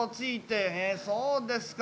へえそうですか。